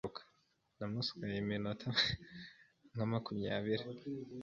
Namusweye iminota nka makumyabiri